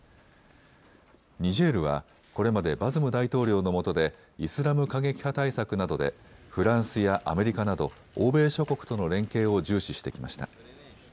ニジェールはこれまでバズム大統領のもとでイスラム過激派対策などでフランスやアメリカなど欧米諸国との連携を重視してきました。